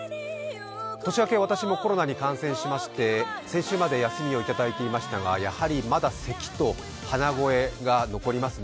年明け、私もコロナに感染しまして先週まで休みをいただいていましたがやはりまだ、せきと鼻声が残りますね。